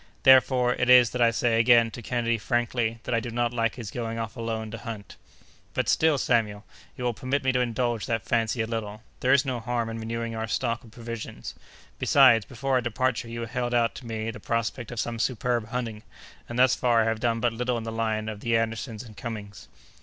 Therefore it is that I say again to Kennedy frankly that I do not like his going off alone to hunt." "But still, Samuel, you will permit me to indulge that fancy a little. There is no harm in renewing our stock of provisions. Besides, before our departure, you held out to me the prospect of some superb hunting, and thus far I have done but little in the line of the Andersons and Cummings."